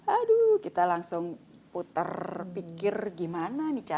aduh kita langsung putar pikir gimana caranya ya